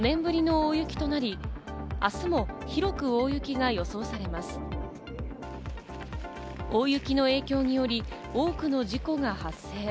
大雪の影響により多くの事故が発生。